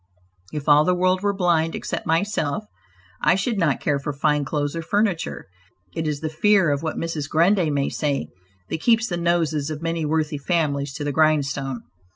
If all the world were blind except myself I should not care for fine clothes or furniture." It is the fear of what Mrs. Grundy may say that keeps the noses of many worthy families to the grindstone.